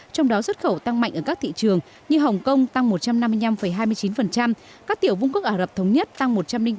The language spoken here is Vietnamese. trong đó xuất khẩu tăng mạnh ở các thị trường như hồng kông tăng một trăm năm mươi năm hai mươi chín các tiểu vung quốc ả rập thống nhất tăng một trăm linh tám bốn mươi tám